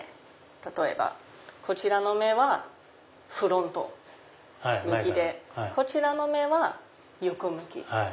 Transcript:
例えばこちらの目はフロント向きでこちらの目は横向き。